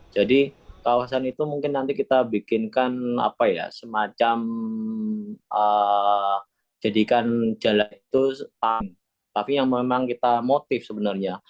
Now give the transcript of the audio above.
jadi kawasan itu mungkin nanti kita bikinkan semacam jalan itu tapi yang memang kita motif sebenarnya